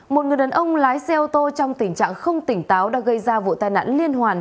một người đàn ông lái xe ô tô trong tình trạng không tỉnh táo đã gây ra vụ tai nạn liên hoàn